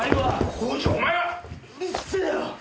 耕治お前は！うるせえよ！